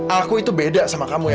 aku itu beda sama kamu ya